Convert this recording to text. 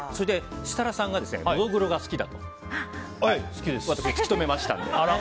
設楽さんがノドグロが好きだと私、突き止めましたので。